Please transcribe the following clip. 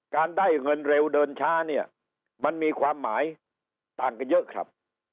ได้เงินเร็วเดินช้าเนี่ยมันมีความหมายต่างกันเยอะครับ